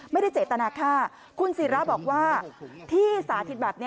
ไม่ได้เจตนาฆ่าคุณศิราบอกว่าที่สาธิตแบบนี้